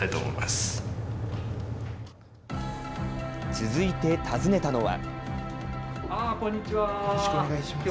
続いて訪ねたのは。